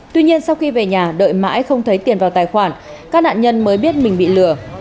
tuy nhiên sau khi về nhà đợi mãi không thấy tiền vào tài khoản các nạn nhân mới biết mình bị lừa